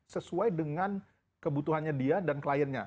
sesuai dengan kebutuhannya dia dan kliennya